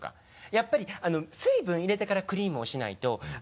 やっぱり水分入れてからクリームをしないと。